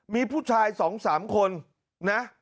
มีผู้ชาย๒๓คนนะ